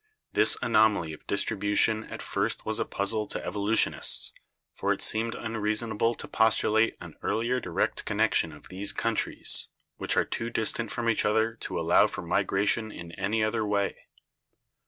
This anomaly of distribution at first was a puzzle to evolutionists, for it seemed unreasonable to postulate an earlier direct connection of these countries, which are too distant from each other to allow for migra tion in any other way.